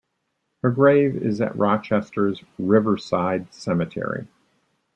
Her grave is at Rochester's Riverside Cemetery.